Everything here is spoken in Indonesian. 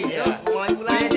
siapa dulu jogja